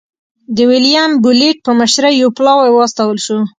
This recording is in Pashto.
د ویلیم بولېټ په مشرۍ یو پلاوی واستول شو.